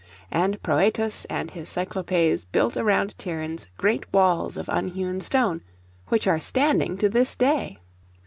And Prœtus and his Cyclopes built around Tiryns great walls of unhewn stone, which are standing to this day.